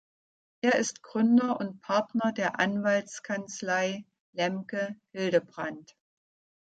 Er ist Gründer und Partner der Anwaltskanzlei Lemke Hildebrand.